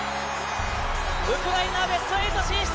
ウクライナベスト８進出！